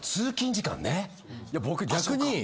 僕逆に。